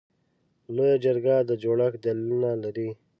لویه جرګه د جوړښت دلیلونه لري.